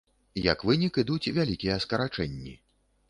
Як вынік, ідуць вялікія скарачэнні.